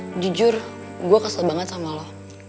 sejujur saya sangat kesal dengan anda